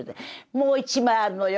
「もう一枚あるのよ！